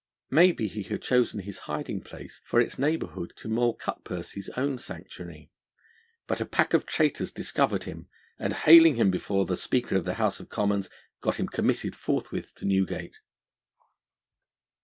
Maybe he had chosen his hiding place for its neighbourhood to Moll Cutpurse's own sanctuary. But a pack of traitors discovered him, and haling him before the Speaker of the House of Commons, got him committed forthwith to Newgate.